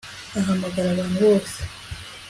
ahamagara abantu bose